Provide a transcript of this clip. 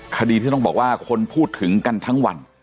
คดีที่ต้องบอกว่าคนพูดถึงกันทั้งวัน